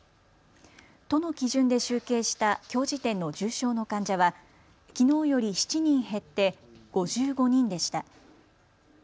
都の基準で集計したきょう時点の重症の患者はきのうより７人減って５５人でした。